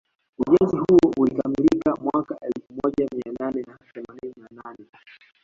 Ujenzi huo ulikamilika mwaka elfu moja mia nane na themanini na nane